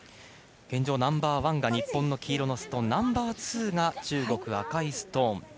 現状、ナンバーワンが日本の黄色のストーン、ナンバーツーが中国、赤いストーン。